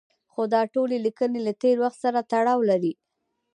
خو دا ټولې لیکنې له تېر وخت سره تړاو لري.